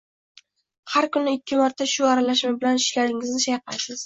Har kuni ikki marta shu aralashma bilan tishlaringizni chayqaysiz.